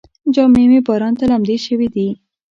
جامې مې باران ته لمدې شوې دي.